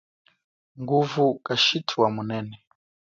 Nguvu kashithu wa mumeya.